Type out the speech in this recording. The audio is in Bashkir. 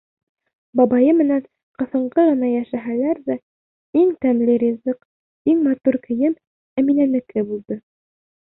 Бабайы менән ҡыҫынҡы ғына йәшәһәләр ҙә, иң тәмле ризыҡ, иң матур кейем Әминәнеке булды.